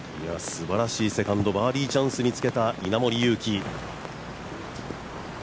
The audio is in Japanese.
すばらしいセカンドバーディーチャンスにつけた、稲森佑貴。